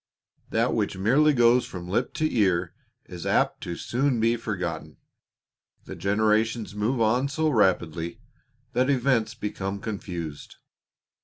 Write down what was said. That which merely goes from lip to ear is apt to be soon forgotten. The generations move on so rapidly that events become confused.